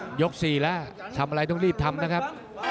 มันยก๔แล้วทำอะไรต้องรีบทำนะครับ